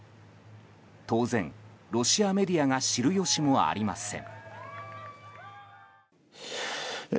当然、ロシアメディアが知るよしもありません。